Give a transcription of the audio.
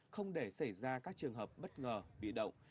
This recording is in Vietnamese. không để xảy ra các trường hợp bất ngờ bị động